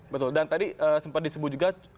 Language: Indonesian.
betul dan tadi sempat disebut juga